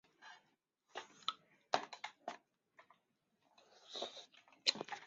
格拉茨附近内施特尔巴赫是奥地利施蒂利亚州格拉茨城郊县的一个市镇。